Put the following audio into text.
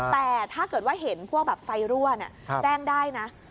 แต่ถ้าเกิดว่าเห็นพวกแบบไฟรั่วแจ้งได้นะ